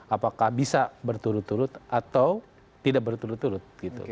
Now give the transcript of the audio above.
apakah bisa berturut turut atau tidak berturut turut